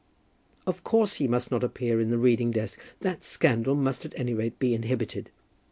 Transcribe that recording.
"Of course he must not appear in the reading desk. That scandal must at any rate be inhibited."